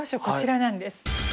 こちらなんです。